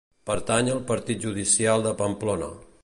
Pertany al partit judicial de Pamplona.